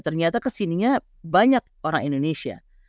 ternyata kesininya banyak orang indonesia